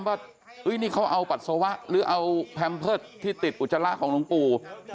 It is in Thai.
ว่านี่เขาเอาปัสสาวะหรือเอาแพมเพิร์ตที่ติดอุจจาระของหลวงปู่